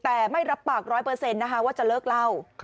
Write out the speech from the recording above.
แต่ไม่รับปาก๑๐๐นะคะว่าจะเลิกเล่า